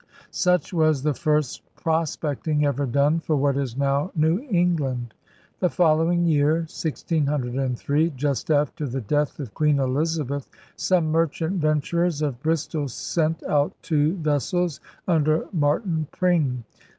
Such was the first prospecting ever done for what is now New Eng land. The following year, 1603, just after the death of Queen Elizabeth, some merchant venturers of Bristol sent out two vessels under Martin Pring.